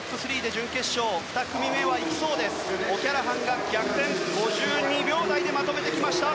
オキャラハンが５２秒台でまとめてきました。